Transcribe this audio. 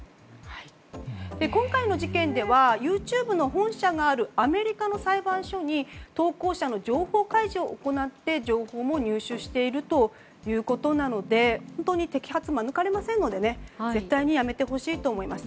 今回の事件ではＹｏｕＴｕｂｅの本社があるアメリカの裁判所に投稿者の情報開示を行って情報を入手しているということなので本当に摘発免れませんので絶対にやめてほしいと思います。